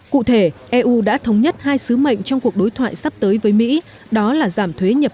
cụ thể eu đã thống nhất hai sứ mệnh trong cuộc đối thoại sắp tới với mỹ đó là giảm thuế nhập